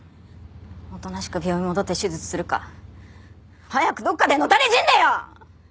おとなしく病院戻って手術するか早くどっかで野垂れ死んでよ！